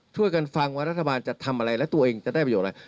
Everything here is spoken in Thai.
ช่วยกันฟังว่ารัฐบาลจะทำอะไรแล้วตัวเองจะได้ประโยชน์อะไร